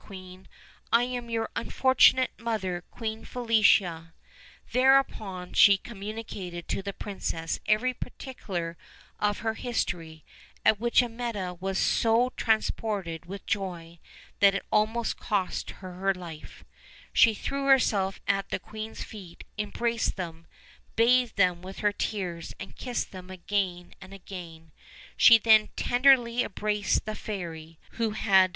queen. "I am your unfortunate mother, Queen Felicia." Thereupon she communicated to the princess every particular of her history, at which Amietta was so transported with joy that it almost cost her her life, She threw herself at the queen's feet, embraced them, bathed them with her tears, and kissed them again and again, Sho then tenderly embraced the fairy, who had OLD, OLD FAIRY TALES.